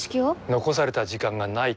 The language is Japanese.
残された時間がない。